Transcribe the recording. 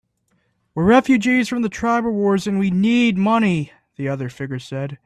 "We're refugees from the tribal wars, and we need money," the other figure said.